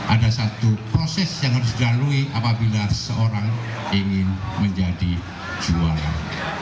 ada satu proses yang harus dilalui apabila seorang ingin menjadi juara